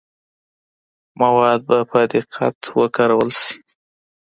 مواد به په دقت وکارول سي.